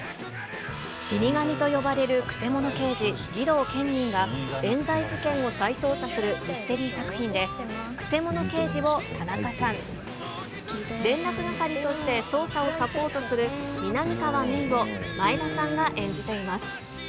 死神と呼ばれるくせ者刑事、儀藤堅忍が、えん罪事件を再捜査するミステリー作品で、くせ者刑事を田中さん、連絡係として捜査をサポートする南川メイを前田さんが演じています。